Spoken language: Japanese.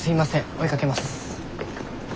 追いかけます。